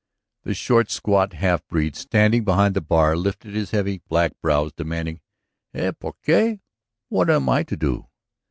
The short, squat half breed standing behind the bar lifted his heavy black brows, demanding: "Y porqué? What am I to do?"